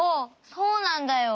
そうなんだよ。